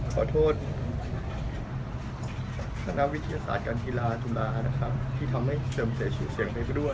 ขอโทษคณะวิทยาศาสตร์การกีฬาจุฬานะครับที่ทำให้เสื่อมเสียชื่อเสียงไปด้วย